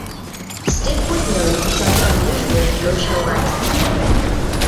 Stiff was known for such unusual promotional activity.